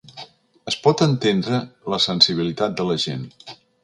Es pot entendre la sensibilitat de la gent.